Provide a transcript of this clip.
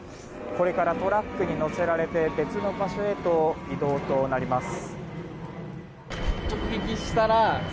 これからトラックに載せられて別の場所へと移動となります。